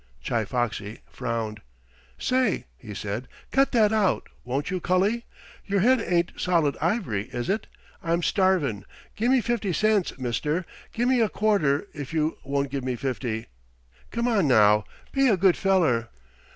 Chi Foxy frowned. "Say," he said, "cut that out, won't you, cully? Your head ain't solid ivory, is it? I'm starvin'. Gimme fifty cents, mister. Gimme a quarter if you won't give me fifty. Come on, now, be a good feller."